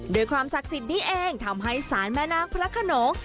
ความศักดิ์สิทธิ์นี้เองทำให้ศาลแม่นางพระขนง